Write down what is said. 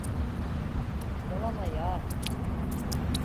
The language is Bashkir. Ялан аяҡ...